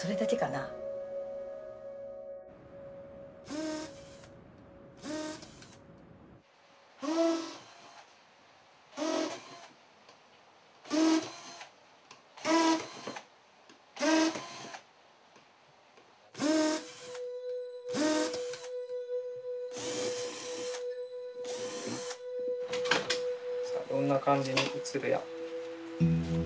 さあどんな感じに映るや？